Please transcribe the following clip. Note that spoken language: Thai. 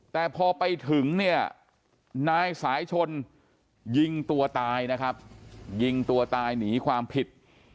แต่พอไปถึงเนี่ยนายสายชนยิงตัวตายนะครับยิงตัวตายหนีความผิด